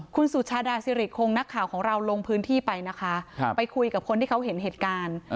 คุณสุชาดาสิริคงนักข่าวของเราลงพื้นที่ไปนะคะไปคุยกับคนที่เขาเห็นเหตุการณ์